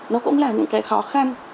nó cũng là những cái khó khăn